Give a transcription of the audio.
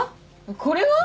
これは？